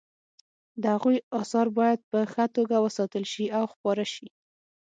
د هغوی اثار باید په ښه توګه وساتل شي او خپاره شي